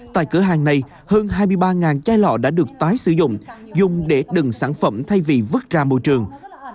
tại cửa hàng này hơn hai mươi ba chai lọ đã được tái sử dụng dùng để đựng sản phẩm thay vì vứt ra môi trường